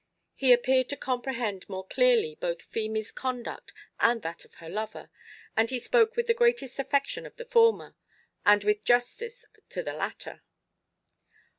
He appeared to comprehend more clearly both Feemy's conduct and that of her lover, and he spoke with the greatest affection of the former, and with justice to the latter.